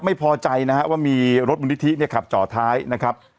ไม่พอใจนะฮะว่ามีรถมูลนิธิเนี่ยขับจ่อท้ายนะครับ